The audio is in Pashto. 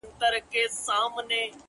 ښه دی په دې ازمايښتونو کي به ځان ووينم-